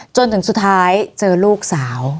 จนถึงสุดท้ายเจอลูกสาว